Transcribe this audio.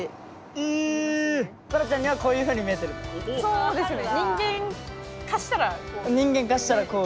そうですよね。